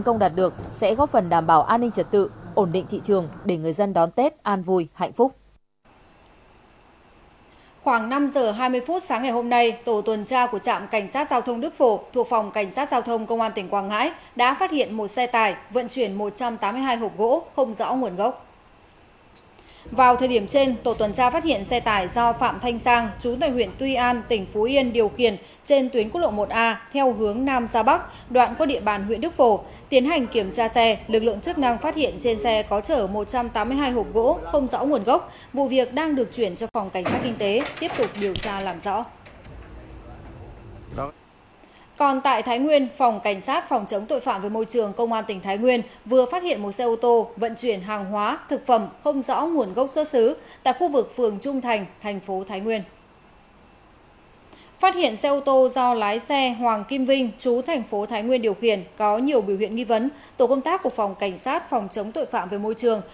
có nhiều biểu hiện nghi vấn tổ công tác của phòng cảnh sát phòng chống tội phạm về môi trường